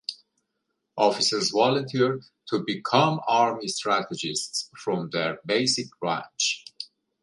Officers volunteer to become Army Strategists from their basic branch.